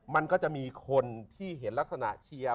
มันก็จะมีคนที่เห็นลักษณะเชียร์